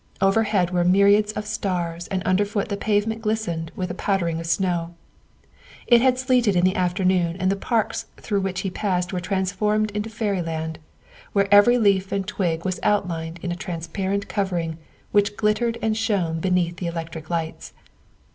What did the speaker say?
Overhead were myriads of stars, and underfoot the pavements glistened with a powdering of snow. It had sleeted in the afternoon and the parks through w T hich he passed were transformed into fairyland, where every leaf and twig was outlined in a transparent covering which glittered and shone beneath the electric lights.